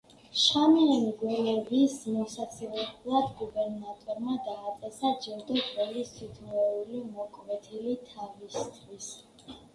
შხამიანი გველების მოსაცილებლად გუბერნატორმა დააწესა ჯილდო გველის თითოეული მოკვეთილი თავისთვის.